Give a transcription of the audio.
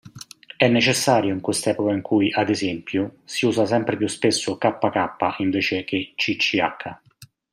È necessario in quest'epoca in cui, ad esempio, si usa sempre più spesso "kk" invece che "cch".